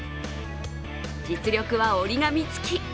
実力は折り紙付き。